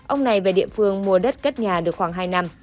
ông này về địa phương mua đất cất nhà được khoảng hai năm